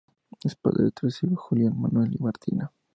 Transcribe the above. Es padre de tres hijos: Julián, Manuel y Martina.